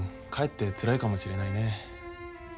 かえってつらいかもしれないね。